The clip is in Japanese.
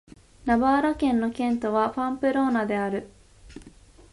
ナバーラ県の県都はパンプローナである